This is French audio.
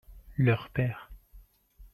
leur père.